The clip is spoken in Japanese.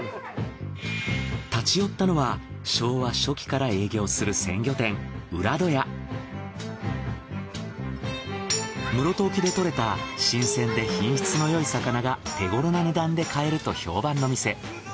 立ち寄ったのは昭和初期から営業する室戸沖で獲れた新鮮で品質のよい魚が手頃な値段で買えると評判の店。